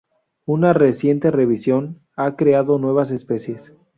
Una reciente revisión han creado nuevas especies.